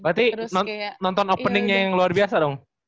berarti nonton openingnya yang luar biasa dong